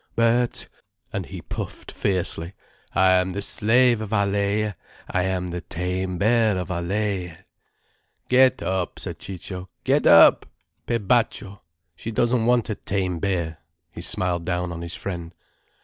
But—" and he puffed fiercely—"I am the slave of Allaye, I am the tame bear of Allaye." "Get up," said Ciccio, "get up! Per bacco! She doesn't want a tame bear." He smiled down on his friend.